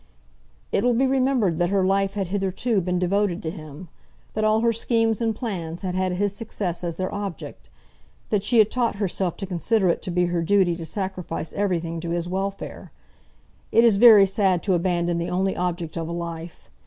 It will be remembered that her life had hitherto been devoted to him; that all her schemes and plans had had his success as their object; that she had taught herself to consider it to be her duty to sacrifice everything to his welfare. It is very sad to abandon the only object of a life!